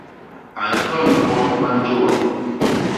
A nton mbot ba njôa.